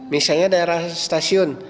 misalnya daerah stasiun